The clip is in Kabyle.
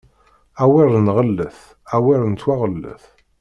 Awer nɣellet, awer nettwaɣellet!